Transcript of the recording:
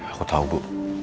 aku tau bu